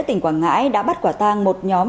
tỉnh quảng ngãi đã bắt quả tang một nhóm